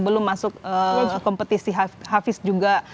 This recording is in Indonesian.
belum masuk kompetisi hafiz juga